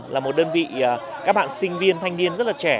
là một đơn vị các bạn sinh viên thanh niên rất là trẻ